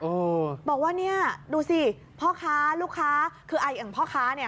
บอกว่าเนี่ยดูสิพ่อค้าลูกค้าคือไออย่างพ่อค้าเนี่ย